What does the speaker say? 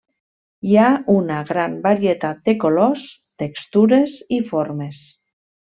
Hi ha una gran varietat de colors, textures i formes.